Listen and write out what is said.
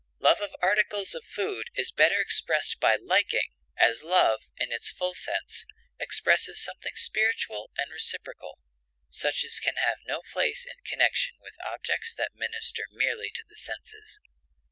Love of articles of food is better expressed by liking, as love, in its full sense, expresses something spiritual and reciprocal, such as can have no place in connection with objects that minister merely to the senses.